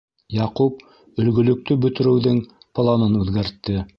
Яҡуп «өлгө»лөктө бөтөрөүҙең планын үҙгәртте.